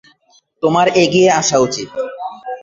তোমার এগিয়ে আসা উচিত!